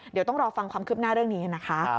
เดี๋ยวต้องรอฟังความคืบหน้าเรื่องนี้นะคะ